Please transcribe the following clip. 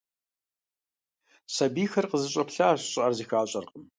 Сэбийхэр къызэщӀэплъащ, щӀыӀэр зэхащӀэркъым.